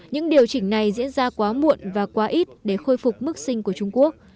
những điều chỉnh này diễn ra quá muộn và quá ít để khôi phục mức sinh của trung quốc